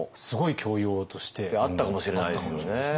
あったかもしれないですよね。